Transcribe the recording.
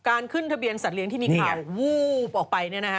ขึ้นทะเบียนสัตว์เลี้ยที่มีข่าววูบออกไป